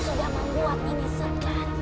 sudah membuat nini sedang